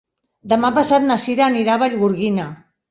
Demà passat na Sira anirà a Vallgorguina.